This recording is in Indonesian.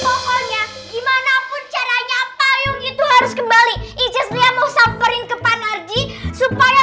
pokoknya gimanapun caranya payung itu harus kembali iya mau samperin ke pak narji supaya